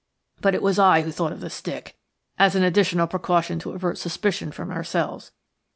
But it was I who thought of the stick, as an additional precaution to avert suspicion from ourselves.